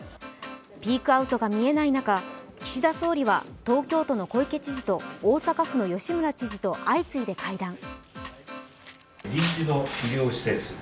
ピークアウトが見えない中、岸田総理は東京都の小池知事と大阪府の吉村知事と相次いで会談。